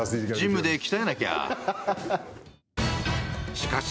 しかし、